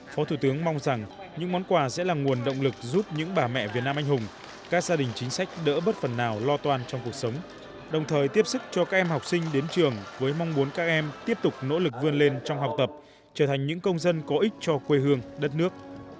phó thủ tướng mong rằng những món quà sẽ là nguồn động lực giúp những bà mẹ việt nam anh hùng các gia đình chính sách đỡ bất phần nào lo toan trong cuộc sống đồng thời tiếp sức cho các em học sinh đến trường với mong muốn các em tiếp tục nỗ lực vươn lên trong học tập trở thành những công dân có ích cho quê hương đất nước